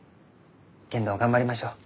けんど頑張りましょう。